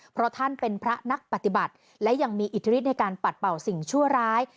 เพราะท่านเป็นพระนักปฏิบัติและยังมีอิทธิฤทธิในการปัดเป่าสิ่งชั่วร้าย